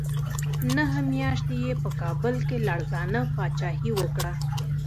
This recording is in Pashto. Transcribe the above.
نهه میاشتې یې په کابل کې لړزانه پاچاهي وکړه.